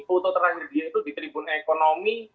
foto terakhir dia itu di tribun ekonomi